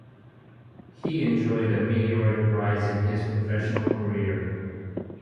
He enjoyed a meteoric rise in his professional career.